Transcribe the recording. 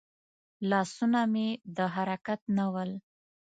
لاسونه مې د حرکت نه ول.